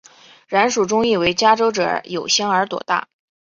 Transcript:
然蜀中亦为嘉州者有香而朵大。